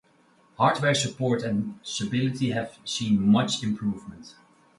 Hardware support and stability have seen much improvement.